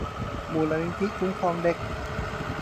มูลนิธิคุ้มครองเด็ก